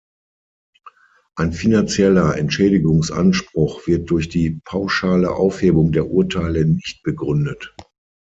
Ein finanzieller "Entschädigungsanspruch" wird durch die pauschale Aufhebung der Urteile nicht begründet.